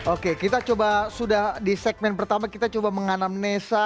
oke kita coba sudah di segmen pertama kita coba menganam nesa